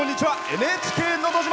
「ＮＨＫのど自慢」。